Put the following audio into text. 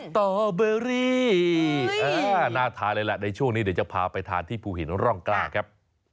ตอเบอรี่น่าทานเลยแหละในช่วงนี้เดี๋ยวจะพาไปทานที่ภูหินร่องกล้าครับ